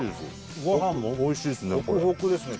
ご飯もおいしいっすね